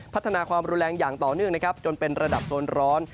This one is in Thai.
พัฒนาความรุนแรงอย่างต่อเนื่องนะครับจนเป็นระดับโซนร้อน